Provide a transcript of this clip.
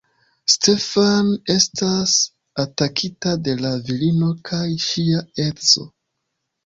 Stefan estas atakita de la virino kaj ŝia edzo.